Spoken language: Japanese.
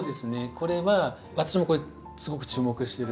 これは私もこれすごく注目してる。